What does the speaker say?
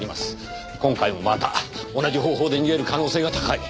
今回もまた同じ方法で逃げる可能性が高い。